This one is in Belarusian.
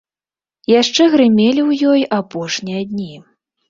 Яшчэ грымелі ў ёй апошнія дні.